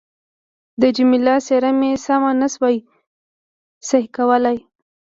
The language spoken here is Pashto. د جميله څېره مې سمه نه شوای صحیح کولای.